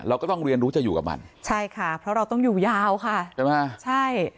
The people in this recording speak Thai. เราก็ต้องเรียนรู้จะอยู่กับมันใช่ค่ะเพราะเราต้องอยู่ยาวค่ะใช่ไหมใช่